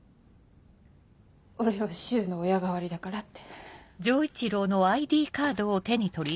俺は柊の親代わりだからって。